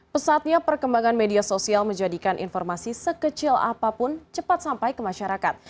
pesatnya perkembangan media sosial menjadikan informasi sekecil apapun cepat sampai ke masyarakat